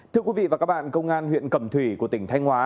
thưa quý vị và các bạn công an huyện cẩm thủy của tỉnh thanh hóa